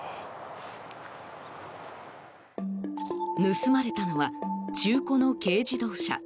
盗まれたのは中古の軽自動車。